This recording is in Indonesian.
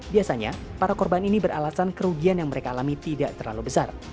biasanya para korban ini beralasan kerugian yang mereka alami tidak terlalu besar